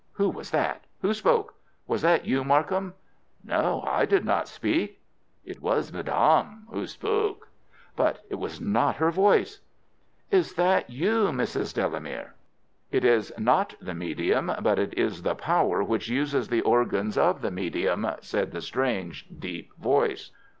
"Who was that? Who spoke? Was that you, Markham?" "No, I did not speak." "It was madame who spoke." "But it was not her voice." "Is that you, Mrs. Delamere?" "It is not the medium, but it is the power which uses the organs of the medium," said the strange, deep voice.